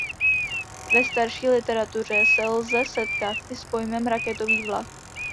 Ve starší literatuře se lze setkat i s pojmem raketový vlak.